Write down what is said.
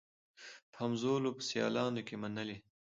په همزولو په سیالانو کي منلې